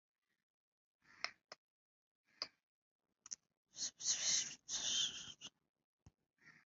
kuanzia Aprili sita bei ya petroli na dizeli iliongezeka kwa shilingi mia tatu ishirini na moja za Tanzania